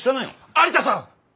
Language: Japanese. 有田さん！